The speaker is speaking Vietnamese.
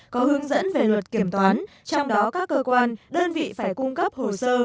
có hướng dẫn về luật kiểm toán trong đó các cơ quan đơn vị phải cung cấp hồ sơ